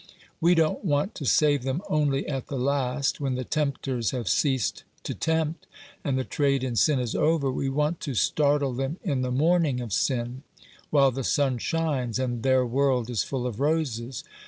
"We don't want to save them only at the last, when the tempters have ceased to tempt, and the trade in sin is over ; we want to startle them in the morning of sin, while the sun shines, and their world is full of roses.